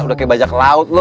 udah kaya baja ke laut lo